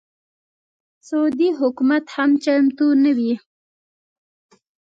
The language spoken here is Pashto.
سعودي حکومت هم چمتو نه وي.